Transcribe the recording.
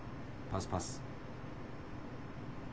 パスパス。